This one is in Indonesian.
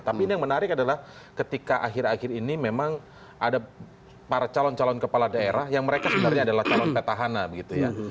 tapi ini yang menarik adalah ketika akhir akhir ini memang ada para calon calon kepala daerah yang mereka sebenarnya adalah calon petahana begitu ya